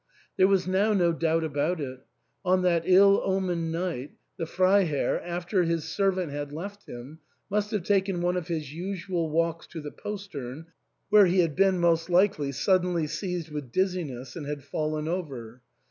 There was now no doubt about it ; on that ill omened night the Freiherr, after his servant had left him, must have taken one of his usual walks to the postern, where he had been most likely suddenly seized with dizziness, and had fallen over.